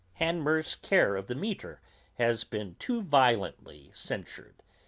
Hanmer's care of the metre has been too violently censured.